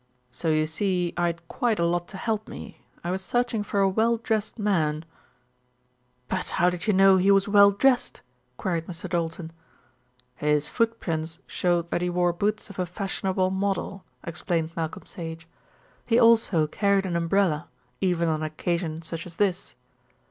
"So you see, I had quite a lot to help me. I was searching for a well dressed man " "But how did you know he was well dressed?" queried Mr. Doulton. "His footprints showed that he wore boots of a fashionable model," explained Malcolm Sage. "He also carried an umbrella, even on an occasion such as this.